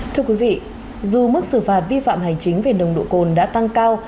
thưa quý vị dù mức xử phạt vi phạm hành chính về nồng độ cồn đã tăng cao